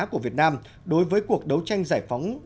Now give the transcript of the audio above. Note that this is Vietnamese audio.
của việt nam đối với cuộc đấu tranh giải phóng đất nước